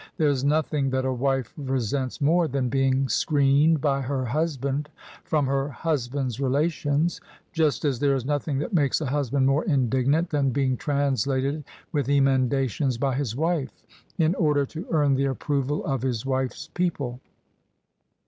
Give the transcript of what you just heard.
There is nothing that a wife resents more than being screened by her husband from her husband's relations: just as there is nothing that makes a husband more indignant than being translated, with emendations by his wife, in order to earn the approval of his wife's people.